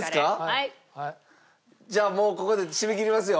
じゃあもうここで締め切りますよ。